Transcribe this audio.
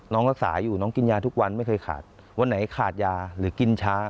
รักษาอยู่น้องกินยาทุกวันไม่เคยขาดวันไหนขาดยาหรือกินช้า